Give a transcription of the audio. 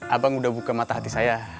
abang udah buka mata hati saya